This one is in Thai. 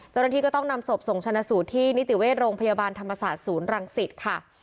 เจ้าหน้าที่ก็ต้องนำศพส่งชนะสูตรที่นิติเวชโรงพยาบาลธรรมศาสตร์ศูนย์รังสิตค่ะ